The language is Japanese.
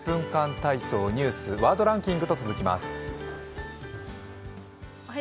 体操」、ニュース、「ワードランキング」と続きます。